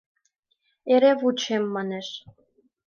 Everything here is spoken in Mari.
Эре вучем, — манеш.